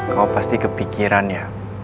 kau pasti kepikiran ya